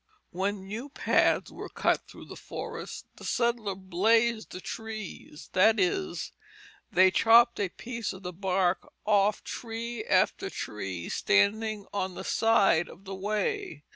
When new paths were cut through the forests, the settlers "blazed" the trees, that is, they chopped a piece of the bark off tree after tree standing on the side of the way.